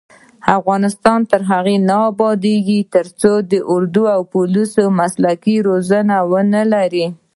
افغانستان تر هغو نه ابادیږي، ترڅو اردو او پولیس مسلکي روزنه ونه لري.